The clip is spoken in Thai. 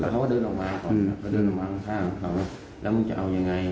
เขาก็เดินออกมาก่อนแล้วมึงจะเอายังไง